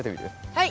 はい！